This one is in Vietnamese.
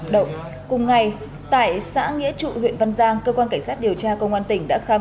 động cùng ngày tại xã nghĩa trụ huyện văn giang cơ quan cảnh sát điều tra công an tỉnh đã khám